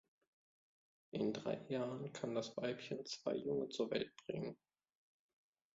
In drei Jahren kann das Weibchen zwei Junge zur Welt bringen.